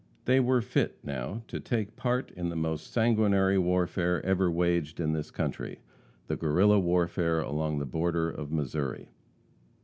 They were fit now to take part in the most sanguinary warfare ever waged in this country the Guerrilla warfare along the border of Missouri.